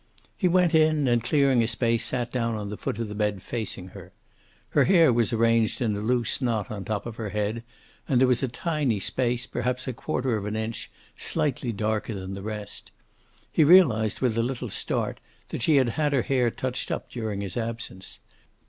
He went in and, clearing a space, sat down on the foot of the bed, facing her. Her hair was arranged in a loose knot on top of her head, and there was a tiny space, perhaps a quarter of an inch, slightly darker than the rest. He realized with a little start that she had had her hair touched up during his absence.